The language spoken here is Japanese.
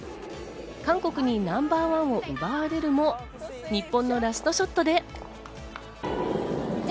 韓国にナンバーワンを奪われるも、日本のラストショットで。